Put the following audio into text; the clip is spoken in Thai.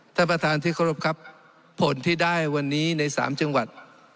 ท่านประธานที่เคารพครับผลที่ได้วันนี้ใน๓จังหวัด